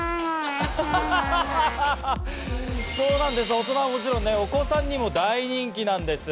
大人はもちろんお子さんにも大人気なんです。